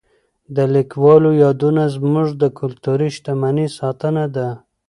د لیکوالو یادونه زموږ د کلتوري شتمنۍ ساتنه ده.